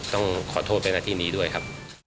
ต้องขอโทษไปหน้าที่นี้ด้วยครับ